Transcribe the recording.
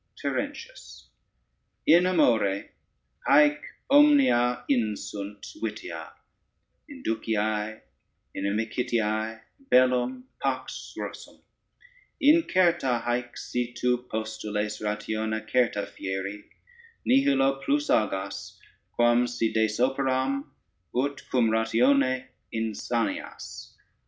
TERENTIUS In amore haec omnia insunt vitia: induciae, inimicitiae, bellum, pax rursum: incerta haec si tu postules ratione certa fieri, nihilo plus agas, quam si des operam, ut cum ratione insanias.